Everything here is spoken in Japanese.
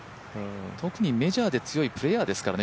特にメジャーで強いプレーヤーですからね